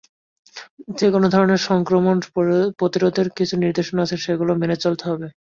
যেকোনো ধরনের সংক্রমণ প্রতিরোধের কিছু নির্দেশনা আছে, সেগুলো মেনে চলতে হবে।